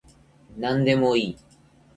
なんでもいい